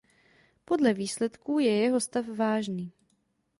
Podle výsledků je jeho stav vážný.